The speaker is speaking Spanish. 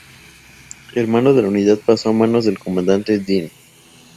El mando de la unidad pasó a manos del comandante Dean.